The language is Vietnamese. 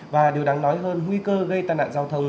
và điều đáng nói hơn nguy cơ gây tai nạn giao thông